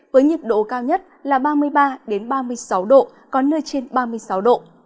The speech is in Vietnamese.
với nhiệt độ cao nhất là ba mươi ba ba mươi sáu độ có nơi trên ba mươi sáu độ